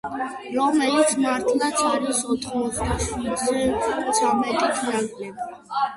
რომელიც მართლაც არის ოთხმოცდაშვიდზე ცამეტით ნაკლები.